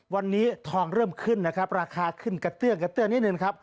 วันนี้ทองเริ่มขึ้นนะครับราคาขึ้นกระเตือกนิดหนึ่งครับ